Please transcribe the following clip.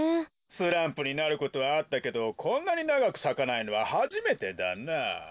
スランプになることはあったけどこんなにながくさかないのははじめてだなあ。